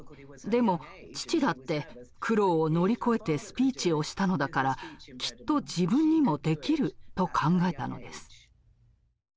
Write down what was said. でも父だって苦労を乗り越えてスピーチをしたのだからきっと自分にもできると考えたのです。